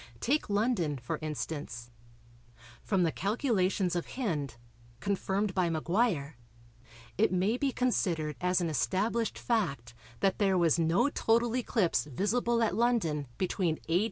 Take London, for instance. From the calculations of Hind, confirmed by Maguire, it may be considered as an established fact that there was no total eclipse visible at London between A.